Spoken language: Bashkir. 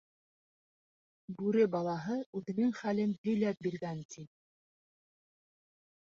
Бүре балаһы үҙенең хәлен һөйләп биргән, ти.